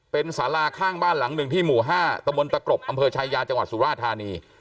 เป็นสาราข้างบ้านหลังหนึ่งที่หมู่๕ตมตะกรบอชายาจสุราธานี